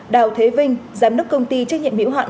đào thế vinh giám đốc công ty trách nhiệm miễu hạn